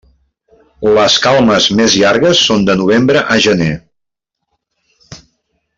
Les calmes més llargues són de novembre a gener.